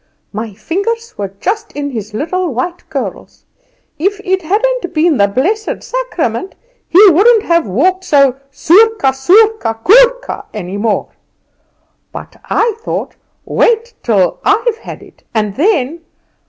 My fingers were just in his little white curls. If it hadn't been the blessed Sacrament, he wouldn't have walked so sourka, sourka, sourka, any more. But I thought. Wait till I've had it, and then